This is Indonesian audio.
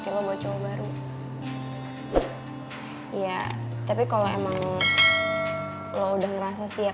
iya aku tau rek